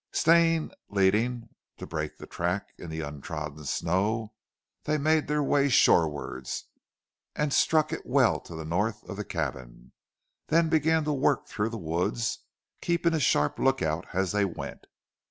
Stane leading, to break the track in the untrodden snow, they made their way shorewards and struck it well to the north of the cabin, then began to work through the woods, keeping a sharp look out as they went.